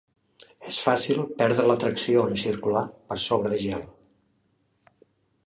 És fàcil perdre la tracció en circular per sobre de gel.